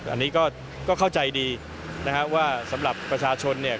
อันนี้ก็เข้าใจดีนะฮะว่าสำหรับประชาชนเนี่ย